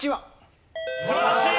素晴らしい！